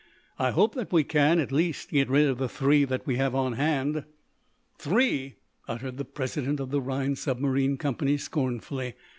I hope that we can, at least, get rid of the three that we have on hand." "Three?" uttered the president of the Rhinds Submarine Company, scornfully.